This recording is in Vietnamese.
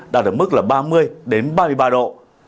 đạt được mức là ba mươi ba mươi ba độ